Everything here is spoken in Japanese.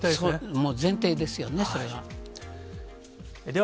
もう前提ですよね、それは。